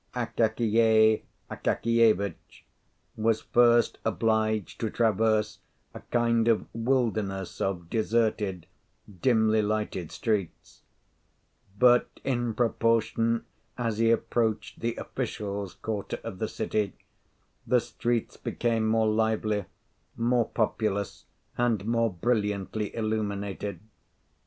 Akakiy Akakievitch was first obliged to traverse a kind of wilderness of deserted, dimly lighted streets; but in proportion as he approached the official's quarter of the city, the streets became more lively, more populous, and more brilliantly illuminated.